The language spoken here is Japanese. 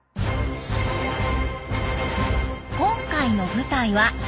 今回の舞台は九州。